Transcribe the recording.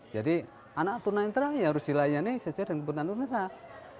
jadi anak tunan yang terang harus dilayani secara dan kebutuhan yang terang